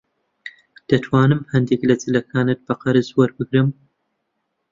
دەتوانم هەندێک لە جلەکانت بە قەرز وەربگرم؟